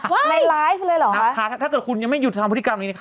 ในไลฟ์เลยเหรอคะถ้าเกิดคุณยังไม่หยุดทำพฤติกรรมนี้นะคะ